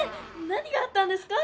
何があったんですか？